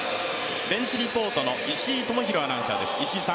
ベンチリポートの石井大裕アナウンサーです。